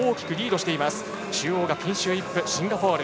中央がピンシュー・イップシンガポール。